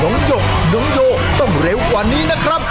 หยกน้องโยต้องเร็วกว่านี้นะครับ